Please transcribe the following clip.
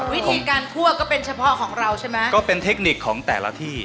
วิธีการคั่วก็เป็นเฉพาะของเราใช่ไหมก็เป็นเทคนิคของแต่ละที่